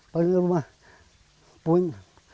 paling rumah pun